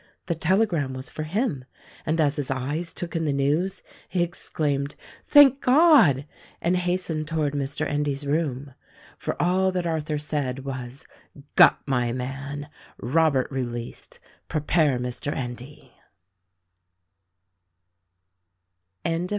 The telegram was for him, and as his eyes took in the news he exclaimed : "Thank God !" and hastened towards Mr. Endy's room. For all that Arthur said, was, "Got my man. Robert re leased.